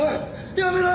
やめろよ！